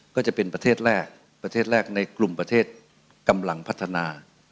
ก็จะเป็นประเทศแรกประเทศแรกในกลุ่มประเทศกำลังพัฒนา